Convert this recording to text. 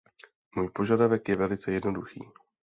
Můj požadavek je velice jednoduchý.